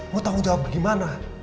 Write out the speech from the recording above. mau tanggung jawab gimana